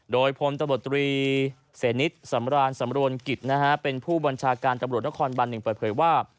โดยพลตำรวจตรีเสนิทสำรานสำรวนกิจนะฮะเป็นผู้บัญชาการตำรวจนครบัน๑เปิดเผยว่า